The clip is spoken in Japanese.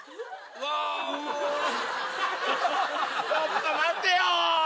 ちょっと待てよ！